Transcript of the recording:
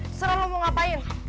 terserah lo mau ngapain